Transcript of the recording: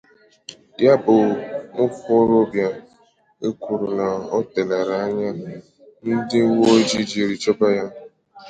Ya bụ nwokorobịa ka e kwuru na o teelarị anya ndị uweojii jiri chọba ya